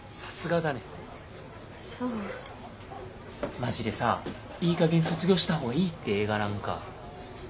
マジでさいいかげん卒業したほうがいいって映画なんか。